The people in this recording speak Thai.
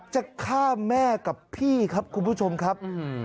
จะฆ่าแม่กับพี่ครับคุณผู้ชมครับ